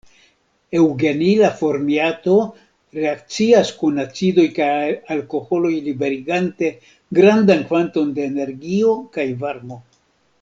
Eŭgenila formiato reakcias kun acidoj kaj alkoholoj liberigante grandan kvanton da energio kaj varmo.